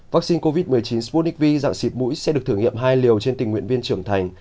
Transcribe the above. vaccine covid một mươi chín sputnik v dạng xịt mũi sẽ được thử nghiệm hai liều trên tình nguyện viên trưởng thành